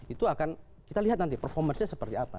itu akan kita lihat nanti performasinya seperti apa